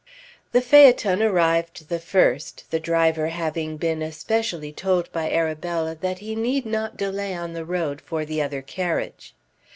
The phaeton arrived the first, the driver having been especially told by Arabella that he need not delay on the road for the other carriage.